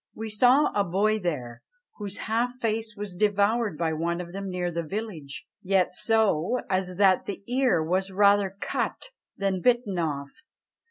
"We sawe a boy there, whose half face was devoured by one of them near the village; yet so, as that the eare was rather cut than bitten off."